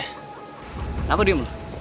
kenapa diam lu